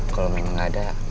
kalau memang gak ada